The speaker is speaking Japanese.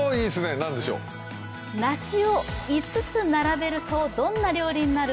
梨を５つ並べると、どんな料理になる？